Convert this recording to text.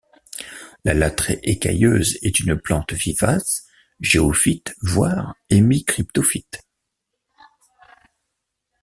La lathrée écailleuse est une plante vivace, géophyte voire hémicryptophyte.